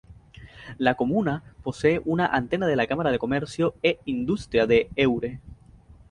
La comuna posee una antena de la Cámara de comercio e industria de Eure.